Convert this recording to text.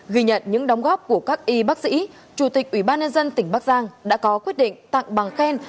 ghi nhận những đóng góp của các y bác sĩ chủ tịch ủy ban nhân dân tỉnh bắc giang đã có quyết định tặng bằng khen